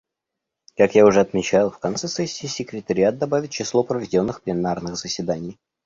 Как я уже отмечал, в конце сессии секретариат добавит число проведенных пленарных заседаний.